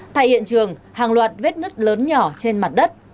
thay hiện trường hàng loạt vết nước lớn nhỏ trên mặt đất